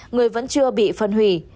người vẫn chưa bị phân hủy